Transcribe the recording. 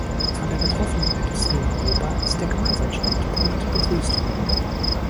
Von der betroffenen Industrie in Europa ist der Gemeinsame Standpunkt begrüßt worden.